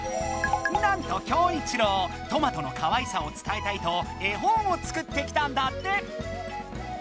なんとキョウイチロウトマトのかわいさを伝えたいと絵本を作ってきたんだって！